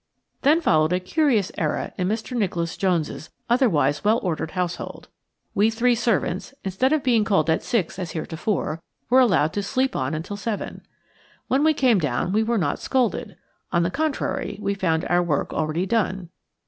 Then followed a curious era in Mr. Nicholas Jones's otherwise well ordered household. We three servants, instead of being called at six as heretofore, were allowed to sleep on until seven. When we came down we were not scolded. On the contrary, we found our work already done.